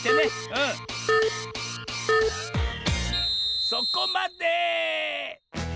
うんそこまで！